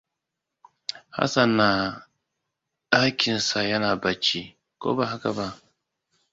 Hassan na ɗakinsa yana bacci, ko ba haka ba?